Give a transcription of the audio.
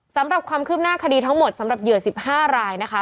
สำหรับความคืบหน้าคดีทั้งหมดสำหรับเหยื่อ๑๕รายนะคะ